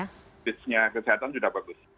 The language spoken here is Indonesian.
karena bisnya kesehatan sudah bagus